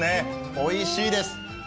おいしいです。